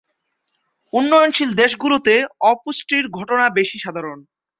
উন্নয়নশীল দেশগুলোতে অপুষ্টির ঘটনা বেশি সাধারণ।